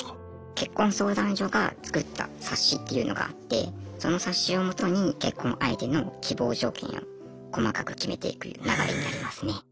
結婚相談所が作った冊子っていうのがあってその冊子を基に結婚相手の希望条件を細かく決めていく流れになりますね。